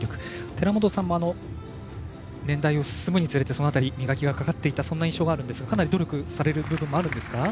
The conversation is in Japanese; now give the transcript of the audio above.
寺本さんも、年代を進むにつれて磨きがかかっていた印象があるんですが、努力される部分あるんですか？